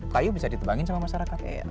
kayu bisa ditebangin sama masyarakat